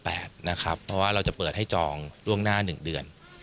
เพราะว่าเราจะเปิดให้จองล่วงหน้า๑เดือน